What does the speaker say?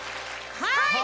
はい！